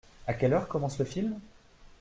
À quelle heure commence le film ?